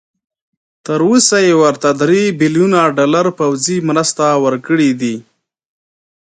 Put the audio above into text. تر اوسه یې ورته درې بيلیونه ډالر پوځي مرسته ورکړي دي.